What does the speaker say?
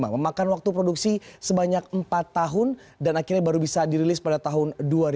memakan waktu produksi sebanyak empat tahun dan akhirnya baru bisa dirilis pada tahun dua ribu dua